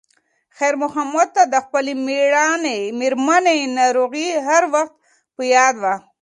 خیر محمد ته د خپلې مېرمنې ناروغي هر وخت په یاد وه.